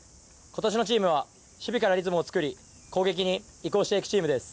今年のチームは守備からリズムを作り攻撃に移行していくチームです。